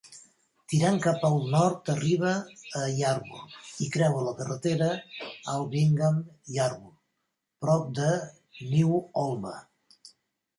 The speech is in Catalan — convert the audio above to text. Tirant cap al nord arriba a Yarburgh i creua la carretera Alvingham-Yarburgh prop de Newholme.